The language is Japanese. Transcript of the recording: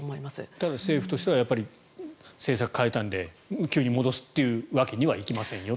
ただ、政府としては政策を変えたので急に戻すというわけにはいきませんよと。